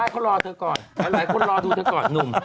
เขารอเธอก่อนหลายคนรอดูเธอก่อนหนุ่ม